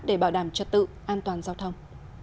để bảo đảm trật tự an toàn giao thông